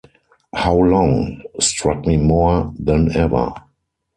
'How Long' struck me more than ever.